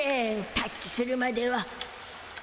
タッチするまでは。